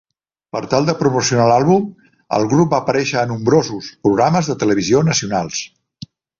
Per tal de promocionar l'àlbum, el grup va aparèixer a nombrosos programes de televisió nacionals.